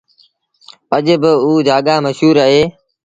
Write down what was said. اڄ با اُجآڳآ مشهور اهي